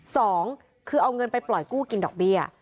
สองคือเอาเงินไปปล่อยกู้กินดอกเบี้ย